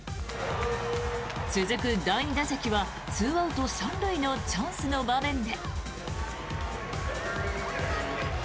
続く第２打席は２アウト３塁のチャンスの場面で。